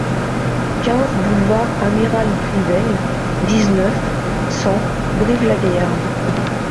quinze boulevard Amiral Grivel, dix-neuf, cent, Brive-la-Gaillarde